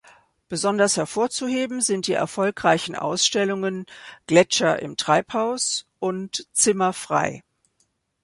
Besonders hervorzuheben sind die erfolgreichen Ausstellungen «Gletscher im Treibhaus» und «Zimmer frei.